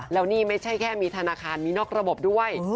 แล้วนี่ไม่ใช่แค่มีธนาคารมีนอกระบบด้วย